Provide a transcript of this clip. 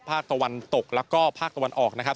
ภาคตะวันตกแล้วก็ภาคตะวันออกนะครับ